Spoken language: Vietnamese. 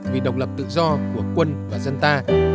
vì độc lập tự do của quân và dân ta